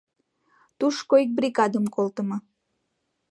Тушко ик бригадым колтымо.